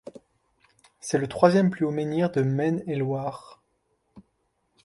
C'est le troisième plus haut menhir de Maine-et-Loire.